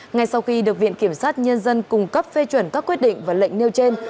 ngay sau khi được viện kiểm sát nhân dân cung cấp phê chuẩn các quyết định và lệnh nêu trên